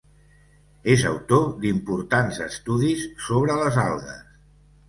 És autor d'importants estudis sobre les algues.